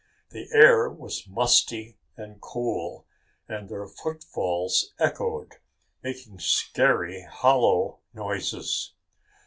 The air was musty and cool and their footfalls echoed, making scarey hollow noises.